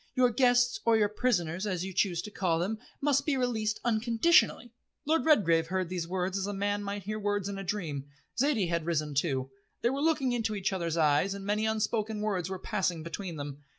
Your guests or your prisoners, as you choose to call them, must be released unconditionally." Lord Redgrave heard these words as a man might hear words in a dream. Zaidie had risen too. They were looking into each other's eyes, and many unspoken words were passing between them.